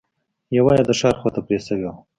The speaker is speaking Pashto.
يوه يې د ښار خواته پرې شوې وه.